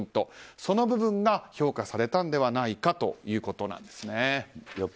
その部分が評価されたのではないかということなんですね。